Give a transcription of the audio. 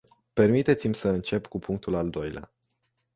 Permiteți-mi să încep cu punctul al doilea.